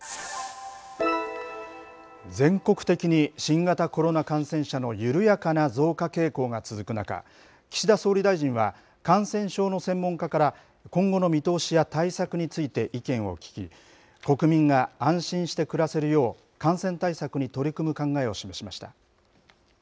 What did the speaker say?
全国的に新型コロナ感染者の緩やかな増加傾向が続く中、岸田総理大臣は、感染症の専門家から、今後の見通しや対策について意見を聞き、国民が安心して暮らせるよう、感染対策に取り組む考えを示しました。